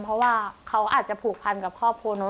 เพราะว่าเขาอาจจะผูกพันกับครอบครัวนู้น